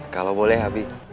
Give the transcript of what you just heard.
kalau boleh abi